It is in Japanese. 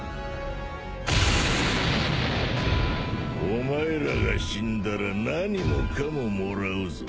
お前らが死んだら何もかももらうぞ。